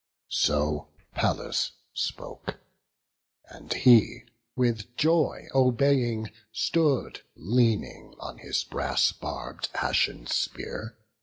So Pallas spoke; and he with joy obeying, Stood leaning on his brass barb'd ashen spear.